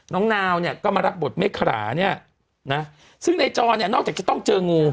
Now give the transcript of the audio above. นาวเนี่ยก็มารับบทเมฆขราเนี่ยนะซึ่งในจอเนี่ยนอกจากจะต้องเจองู